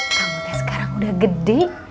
kamu tes sekarang udah gede